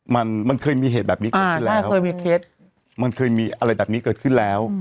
มันมันเคยมีเหตุแบบนี้เกิดขึ้นแล้วเคยมีเคล็ดมันเคยมีอะไรแบบนี้เกิดขึ้นแล้ว